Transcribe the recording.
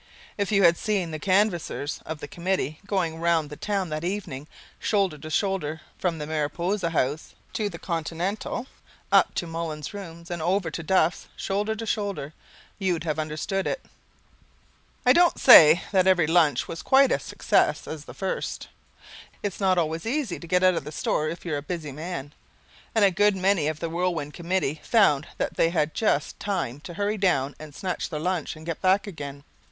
If you had seen the canvassers of the Committee going round the town that evening shoulder to shoulder from the Mariposa House to the Continental and up to Mullins's rooms and over to Duffs, shoulder to shoulder, you'd have understood it. I don't say that every lunch was quite such a success as the first. It's not always easy to get out of the store if you're a busy man, and a good many of the Whirlwind Committee found that they had just time to hurry down and snatch their lunch and get back again.